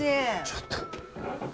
ちょっと。